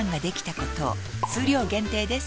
数量限定です